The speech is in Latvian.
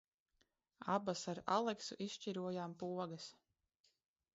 Abas ar Aleksu izšķirojām pogas.